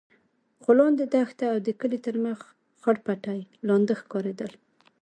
خو لاندې دښته او د کلي تر مخ خړ پټي لانده ښکارېدل.